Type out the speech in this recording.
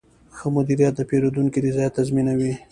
ښه مدیریت د پیرودونکي رضایت تضمینوي.